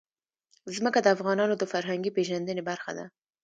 ځمکه د افغانانو د فرهنګي پیژندنې برخه ده.